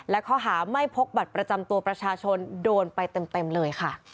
และข้อหาไม่พกบัตรประจำตัวประชาชนโดนไปเต็มเลยค่ะ